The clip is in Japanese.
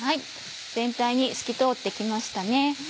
全体に透き通って来ましたね。